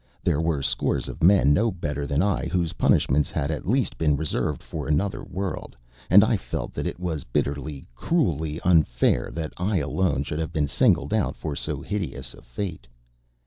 There were scores of men no better than I whose punishments had at least been reserved for another world; and I felt that it was bitterly, cruelly unfair that I alone should have been singled out for so hideous a fate.